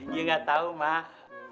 ya gak tau mak